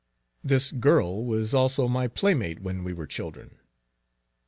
This girl was also my playmate when we were children.